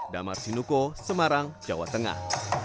damar sinuko semarang jawa tengah